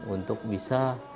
untuk bisa menarik banyak orang